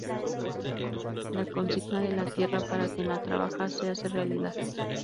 La consigna de "La tierra para quien la trabaja" se hace realidad.